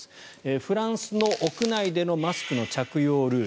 フランスの屋内でのマスクの着用ルール。